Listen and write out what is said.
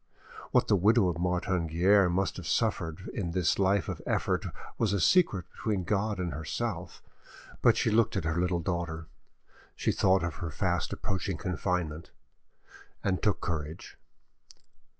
What the widow of Martin Guerre must have suffered in this life of effort was a secret between God and herself, but she looked at her little daughter, she thought of her fast approaching confinement, and took courage.